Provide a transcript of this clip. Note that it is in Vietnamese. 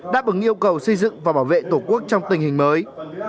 đáp ứng yêu cầu xây dựng và bảo vệ tổ quốc trong tình hình mới